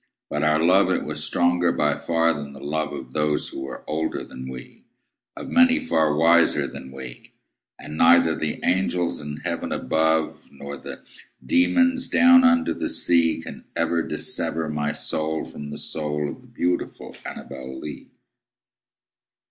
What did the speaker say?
But our love it was stronger by far than the love Of those who were older than we Of many far wiser than we And neither the angels in heaven above, Nor the demons down under the sea, Can ever dissever my soul from the soul Of the beautiful ANNABEL LEE.